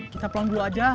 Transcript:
kita pulang dulu aja